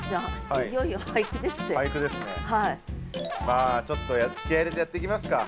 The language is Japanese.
まあちょっと気合い入れてやっていきますか。